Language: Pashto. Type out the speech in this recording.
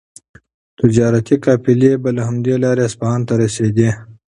تجارتي قافلې به له همدې لارې اصفهان ته رسېدې.